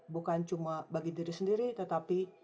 bukan cuma bagi diri sendiri tetapi